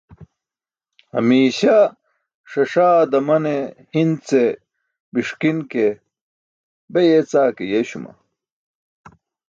Hamiiśa ṣaṣaa damane hi̇n ce biṣki̇n ke be yeecaa ke yeeśuma.